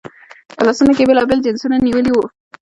په لاسونو کې یې بېلابېل جنسونه نیولي وو.